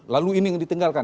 lalu ini yang ditinggalkan